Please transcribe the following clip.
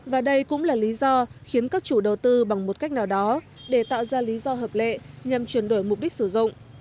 và đây cũng là lý do khiến các chủ đầu tư bằng một cách nào đó để tạo ra lý do hợp lệ nhằm chuyển đổi mục đích sử dụng